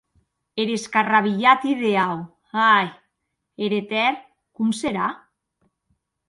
Er escarrabilhat ideau, ai!, er etèrn com serà?